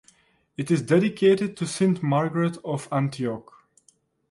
It is dedicated to St Margaret of Antioch.